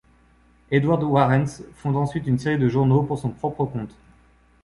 Eduard Warrens fonde ensuite une série de journaux pour son propre compte.